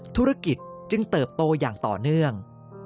ธุรกิจจึงเติบโตอย่างต่อเนื่อง